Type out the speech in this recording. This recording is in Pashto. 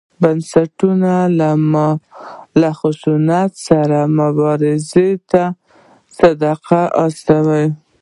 بنسټونه له خشونت سره مبارزې ته صادق واوسي.